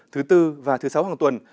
thứ tư và thứ sáu hàng tuần